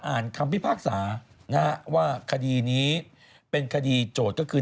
คำพิพากษานะฮะว่าคดีนี้เป็นคดีโจทย์ก็คือ